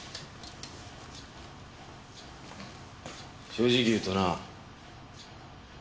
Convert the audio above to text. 正直言うとな。